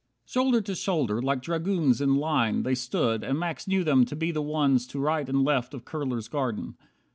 59 Shoulder to shoulder, like dragoons in line, They stood, and Max knew them to be the ones To right and left of Kurler's garden.